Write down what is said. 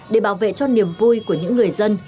để bảo vệ cho niềm vui của những người dân